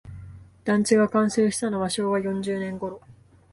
団地が完成したのは昭和四十年ごろ